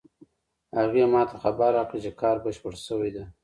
هغې ما ته خبر راکړ چې کار بشپړ شوی ده